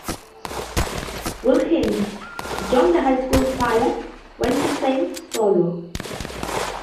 Wilkins joined the high school choir where he sang solo.